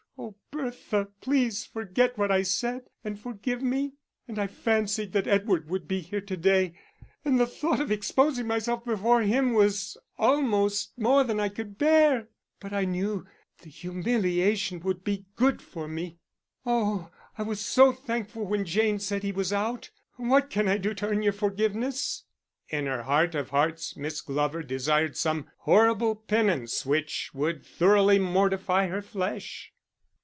Oh, Bertha, please forget what I said, and forgive me. And I fancied that Edward would be here to day, and the thought of exposing myself before him too was almost more than I could bear. But I knew the humiliation would be good for me. Oh, I was so thankful when Jane said he was out.... What can I do to earn your forgiveness?" In her heart of hearts, Miss Glover desired some horrible penance which would thoroughly mortify her flesh.